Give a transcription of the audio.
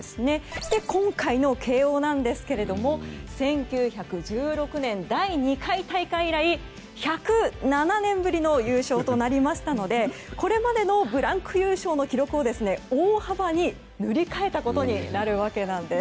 そして今回の慶応ですが１９１６年、第２回大会以来１０７年ぶりの優勝となりましたのでこれまでのブランク優勝の記録を大幅に塗り替えたことになります。